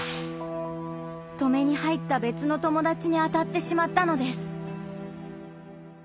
止めに入った別の友達に当たってしまったのです。